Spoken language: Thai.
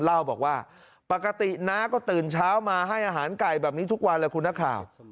เล่าบอกว่าปกติน้าก็ตื่นเช้ามาให้อาหารไก่แบบนี้ทุกวันแหละคุณนักข่าว